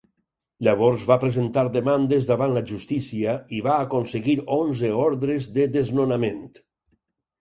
Llavors va presentar demandes davant la justícia i va aconseguir onze ordres de desnonament.